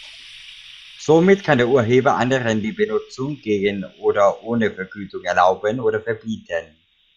Somit kann der Urheber anderen die Benutzung gegen oder ohne Vergütung erlauben oder verbieten.